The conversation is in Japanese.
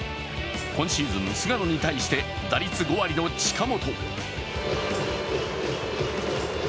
今シーズン、菅野に対して打率５割の近本。